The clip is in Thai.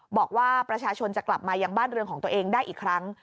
บอกว่าประชาชนจะกลับมายังบ้านเรือนของตัวเองได้อีกครั้ง